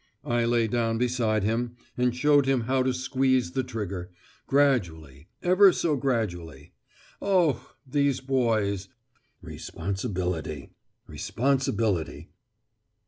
I lay down beside him and showed him how to squeeze the trigger, gradually, ever so gradually. Oh! these boys! Responsibility. Responsibility.